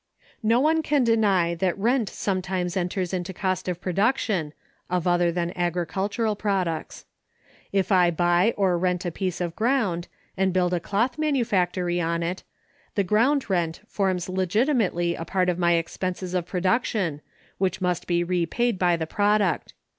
No one can deny that rent sometimes enters into cost of production [of other than agricultural products]. If I buy or rent a piece of ground, and build a cloth manufactory on it, the ground rent forms legitimately a part of my expenses of production, which must be repaid by the product.